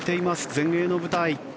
全英の舞台。